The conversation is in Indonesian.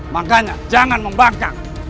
makanya jangan membangkang